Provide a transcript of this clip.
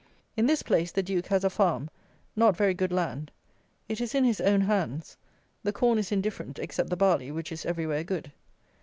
In this place the Duke has a farm, not very good land. It is in his own hands. The corn is indifferent, except the barley, which is everywhere good.